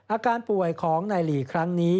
อาการป่วยของนายหลีครั้งนี้